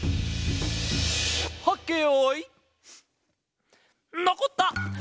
はっけよいのこった！